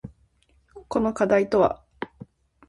この課題とは？